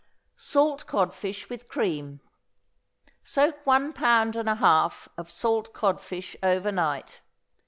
=Salt Codfish with Cream.= Soak one pound and a half of salt codfish over night.